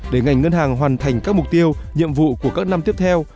để ngành ngân hàng hoàn thành các mục tiêu nhiệm vụ của các năm tiếp theo